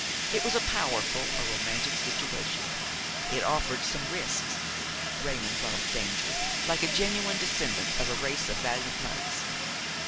It was a powerful, a romantic situation; it offered some risks. Raymon loved danger, like a genuine descendant of a race of valiant knights.